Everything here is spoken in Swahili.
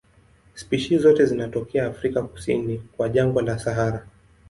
Spishi zote zinatokea Afrika kusini kwa jangwa la Sahara.